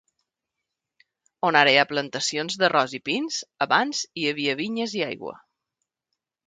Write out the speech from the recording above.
On ara hi ha plantacions d'arròs i pins, abans hi havia vinyes i aigua.